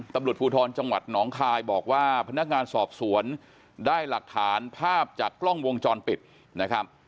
ตำรวจภูทรจังหวัดหนองคายบอกว่าพนักงานสอบสวนได้หลักฐานภาพจากกล้องวงจรปิดนะครับ